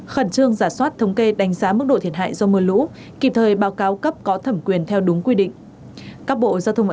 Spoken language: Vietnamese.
khẩn trương giả soát thống kê đánh giá mức độ thiệt hại do mưa lũ kịp thời báo cáo cấp có thẩm quyền theo đúng quy định